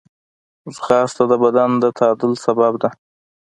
ځغاسته د بدن د تعادل سبب ده